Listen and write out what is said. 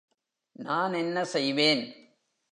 நான் என்ன செய்வேன்.